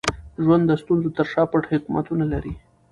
ژوند د ستونزو تر شا پټ حکمتونه لري.